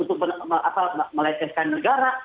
untuk melekeskan negara